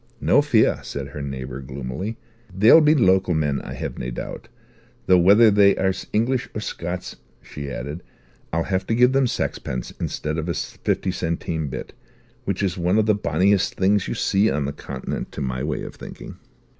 "No fear," said her neighbour gloomily. "They'll be local men, I have nae doubt. Though whether they are English or Scots," she added, "I'll have to give them saxpence instead of a fifty centime bit; which is one of the bonniest things you see on the Continent, to my way of thinking."